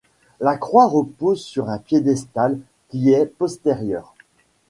La croix repose sur un piédestal qui est postérieur.